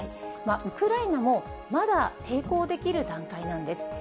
ウクライナもまだ抵抗できる段階なんです。